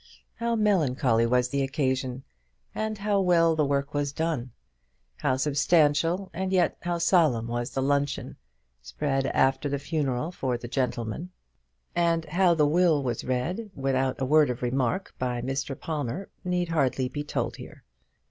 How melancholy was the occasion, and how well the work was done; how substantial and yet how solemn was the luncheon, spread after the funeral for the gentlemen; and how the will was read, without a word of remark, by Mr. Palmer, need hardly be told here.